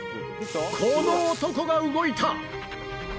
この男が動いた！